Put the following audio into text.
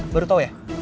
baru tau ya